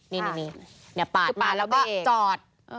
นี่ปาดแล้วก็จอด